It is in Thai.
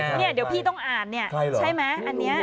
นี่แต่ว่าพี่ต้องอ่านนี่